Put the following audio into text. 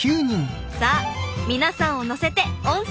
さあ皆さんを乗せて温泉宿へ！